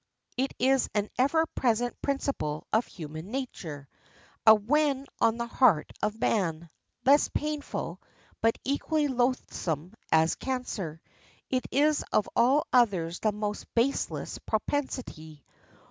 It is an ever present principle of human nature—a wen on the heart of man; less painful, but equally loathsome as a cancer. It is of all others the most baseless propensity.